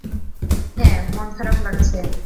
হ্যাঁ, মন খারাপ লাগছে।